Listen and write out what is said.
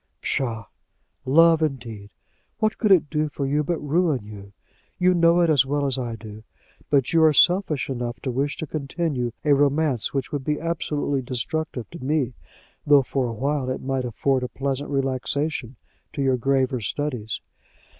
"Psha! Love, indeed. What could I do for you but ruin you? You know it as well as I do; but you are selfish enough to wish to continue a romance which would be absolutely destructive to me, though for a while it might afford a pleasant relaxation to your graver studies.